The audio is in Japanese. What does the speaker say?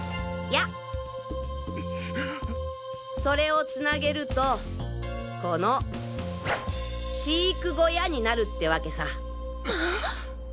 それをつなげるとこの飼育小屋になるってわけさ。